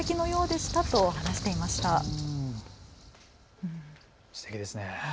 すてきですね。